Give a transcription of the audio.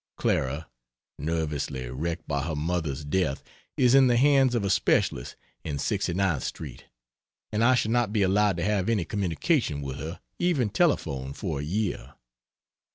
Clara (nervously wrecked by her mother's death) is in the hands of a specialist in 69th St., and I shall not be allowed to have any communication with her even telephone for a year.